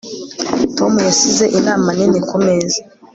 Tom yasize inama nini kumeza